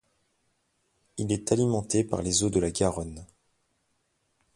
Il est alimenté par les eaux de la Garonne.